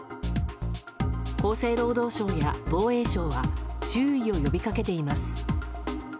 厚生労働省や防衛省は注意を呼び掛けています。